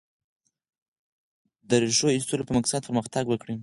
د ریښو ایستلو په مقصد پرمختګ وکړي.